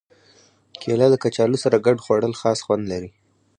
کېله د کچالو سره ګډ خوړل خاص خوند لري.